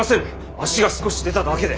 足が少し出ただけで。